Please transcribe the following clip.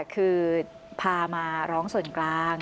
คือพามาร้องส่วนกลาง